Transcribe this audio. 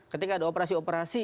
ketika ada operasi operasi